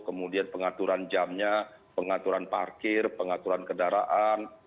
kemudian pengaturan jamnya pengaturan parkir pengaturan kendaraan